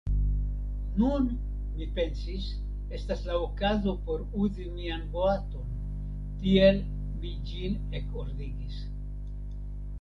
Nun, mi pensis, estas la okazo por uzi mian boaton; tiel mi ĝin ekordigis.